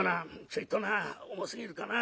「ちょいとな重すぎるかな」。